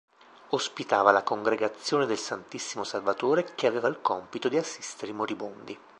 Ospitava la congregazione del Santissimo Salvatore, che aveva il compito di assistere i moribondi.